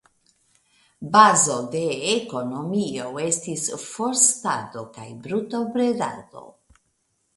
Bazo de ekonomio estis forstado kaj brutobredado.